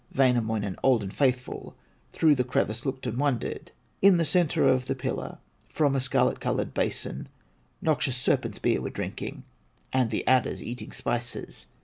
Wainamoinen, old and faithful, Through the crevice looked and wondered. In the center of the pillar, From a scarlet colored basin, Noxious serpents beer were drinking, And the adders eating spices.